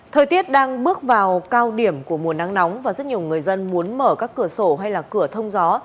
thời tiết đang bước vào cao điểm của mùa nắng nóng và rất nhiều người dân muốn mở các cửa sổ hay là cửa thông gió